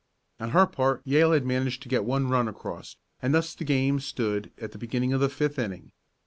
On her part Yale had managed to get one run across, and thus the game stood at the beginning of the fifth inning.